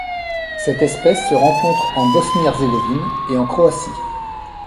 Cette espèce se rencontre en Bosnie-Herzégovine et en Croatie.